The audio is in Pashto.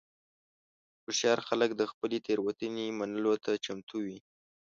هوښیار خلک د خپلې تېروتنې منلو ته چمتو وي.